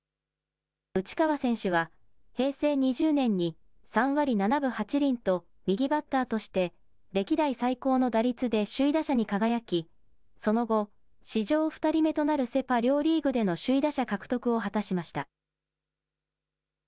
内川選手は、平成２０年に３割７分８厘と右バッターとして歴代最高の打率で首位打者に輝き、その後、史上２人目となるセ・パ両リーグでの首位打者獲得を果たしました。